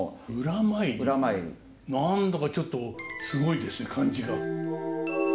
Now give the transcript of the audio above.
何だかちょっとすごいですね感じが。